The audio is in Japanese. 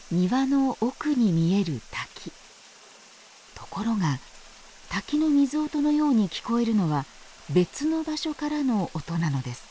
ところが滝の水音のように聞こえるのは別の場所からの音なのです。